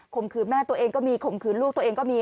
มขืนแม่ตัวเองก็มีข่มขืนลูกตัวเองก็มี